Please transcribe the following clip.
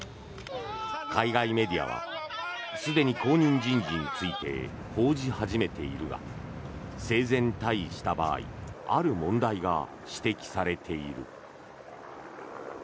海外メディアはすでに後任人事について報じ始めているが生前退位した場合ある問題が指摘されている。